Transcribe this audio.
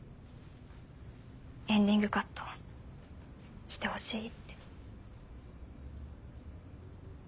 エンディングカットしてほしいって。